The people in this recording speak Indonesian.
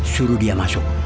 suruh dia masuk